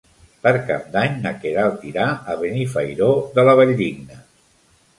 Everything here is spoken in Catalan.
Per Cap d'Any na Queralt irà a Benifairó de la Valldigna.